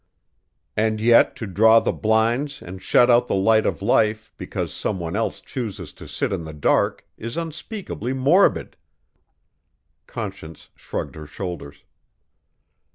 "And yet to draw the blinds and shut out the light of life because some one else chooses to sit in the dark is unspeakably morbid." Conscience shrugged her shoulders.